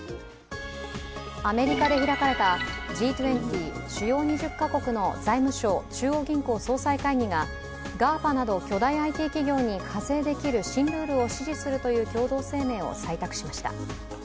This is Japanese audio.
アメリカで開かれたＧ２０＝主要２０カ国の財務相・中央銀行総裁会議がＧＡＦＡなど巨大ＩＴ企業に課税できる新ルールを支持するという共同声明を採択しました。